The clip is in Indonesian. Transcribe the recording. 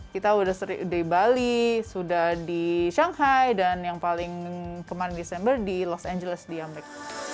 kita sudah sering di bali sudah di shanghai dan yang paling kemarin desember di los angeles di ambek